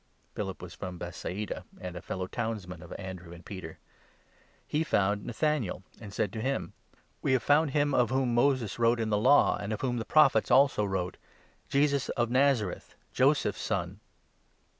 Philip was from Bethsaida, and a fellow townsman of Andrew 44 and Peter. He found Nathanael and said to him : 45 "We have found him of whom Moses wrote in the Law, and of whom the Prophets also wrote — Jesus of Nazareth, Joseph's son